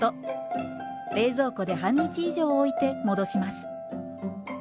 冷蔵庫で半日以上置いて戻します。